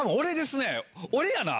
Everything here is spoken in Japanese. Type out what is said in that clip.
俺やな！